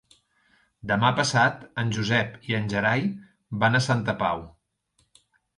Demà passat en Josep i en Gerai van a Santa Pau.